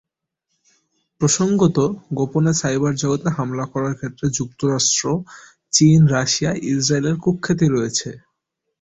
প্রসঙ্গত, গোপনে সাইবার জগতে হামলা করার ক্ষেত্রে যুক্তরাষ্ট্র, চীন, রাশিয়া, ইসরায়েলের কুখ্যাতি রয়েছে।